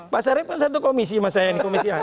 pak sarip kan satu komisi mas yani komisinya